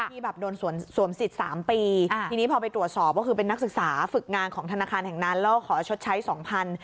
ที่แบบโดนสวมสิทธิ์๓ปีทีนี้พอไปตรวจสอบก็คือเป็นนักศึกษาฝึกงานของธนาคารแห่งนั้นแล้วขอชดใช้สองพัน